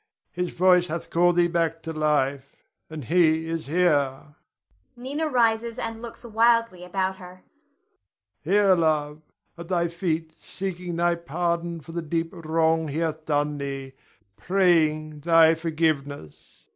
His voice hath called thee back to life, and he is here. [Nina rises and looks wildly about her.] Here, love, at thy feet seeking thy pardon for the deep wrong he hath done thee, praying thy forgiveness!